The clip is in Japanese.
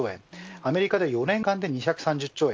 アメリカでは４年間で２３０兆円